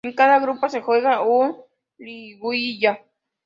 En cada grupo se juega un liguilla.